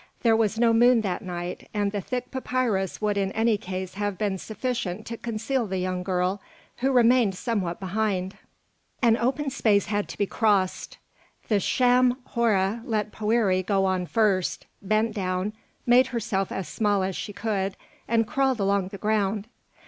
There was no moon that night, and the thick papyrus would in any case have been sufficient to conceal the young girl, who remained somewhat behind. An open space had to be crossed. The sham Hora let Poëri go on first, bent down, made herself as small as she could, and crawled along the ground.